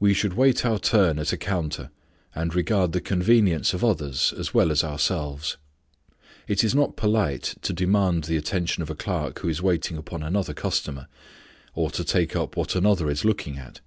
We should wait our turn at a counter and regard the convenience of others as well as ourselves. It is not polite to demand the attention of a clerk who is waiting upon another customer, or to take up what another is looking at.